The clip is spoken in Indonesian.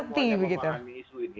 tidak semuanya memahami isu ini